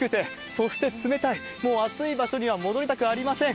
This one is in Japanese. そしてもう暑い場所には戻りたくありません。